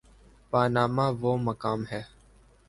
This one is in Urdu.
پاناما وہ مقام ہے۔